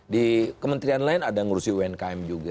di kementerian lain ada yang ngurusi umkm juga